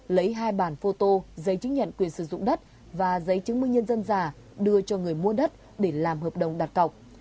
lấy hai bản phô tô giấy chứng nhận quyền sử dụng đất và giấy chứng minh nhân dân giả đưa cho người mua đất để làm hợp đồng đặt cọc